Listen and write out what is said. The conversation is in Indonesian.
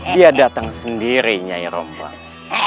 dia datang sendirinya irombang